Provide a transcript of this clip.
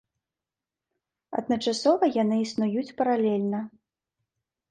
Адначасова яны існуюць паралельна.